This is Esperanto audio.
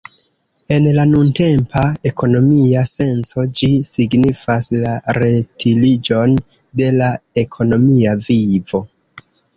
En la nuntempa ekonomia senco, ĝi signifas la retiriĝon de la ekonomia vivo.